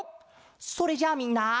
それじゃあみんな。